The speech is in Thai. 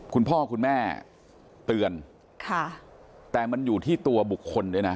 คุณพ่อคุณแม่เตือนค่ะแต่มันอยู่ที่ตัวบุคคลด้วยนะ